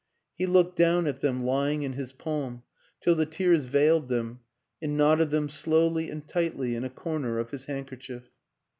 He looked down at them lying in his palm till the tears veiled them, and knotted them slowly and tightly in a corner of his handkerchief.